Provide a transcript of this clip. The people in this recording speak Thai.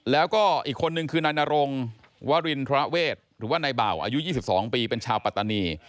แล้วก็อีกคนนึงคือนายนรงวรินทรเวศหรือว่านายบ่าวอายุ๒๒ปีเป็นชาวปัตตานี